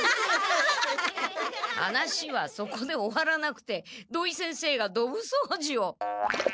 話はそこで終わらなくて土井先生がどぶ掃除を。